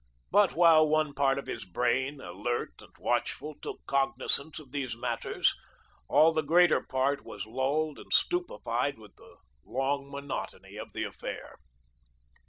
But while one part of his brain, alert and watchful, took cognisance of these matters, all the greater part was lulled and stupefied with the long monotony of the affair.